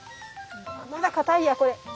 あまだかたいやこれ。